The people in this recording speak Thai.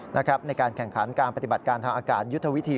ในการแข่งขันการปฏิบัติการทางอากาศยุทธวิธี